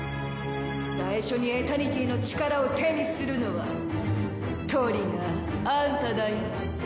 最初にエタニティの力を手にするのはトリガーアンタだよ。